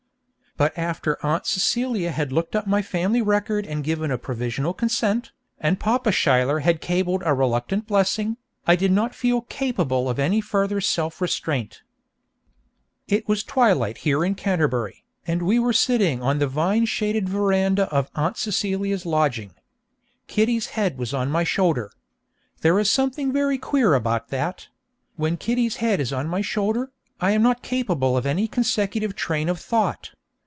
But after Aunt Celia had looked up my family record and given a provisional consent, and Papa Schuyler had cabled a reluctant blessing, I did not feel capable of any further self restraint. It was twilight here in Canterbury, and we were sitting on the vine shaded veranda of Aunt Celia's lodging. Kitty's head was on my shoulder. There is something very queer about that; when Kitty's head is on my shoulder, I am not capable of any consecutive train of thought.